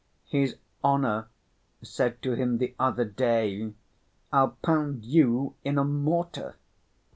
"His honor said to him the other day, 'I'll pound you in a mortar!